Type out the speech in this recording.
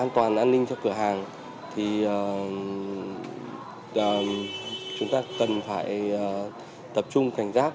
an toàn an ninh cho cửa hàng thì chúng ta cần phải tập trung cảnh giác